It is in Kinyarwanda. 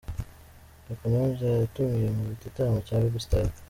Kanyombya yatumiwe mu gitaramo cya Baby Style.